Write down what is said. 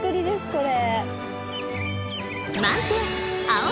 これ。